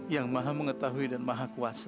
yang maha mengetahui dan maha kuasa